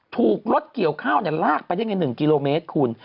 ถูกลดเกี่ยวข้าวเนี่ยลากไปยังไง๑กิโลเมตรคุณ